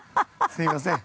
すいません。